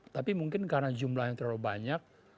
tapi mungkin karena jumlahnya terlalu banyak